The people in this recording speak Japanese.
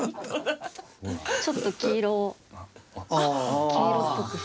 ちょっと黄色を黄色っぽく。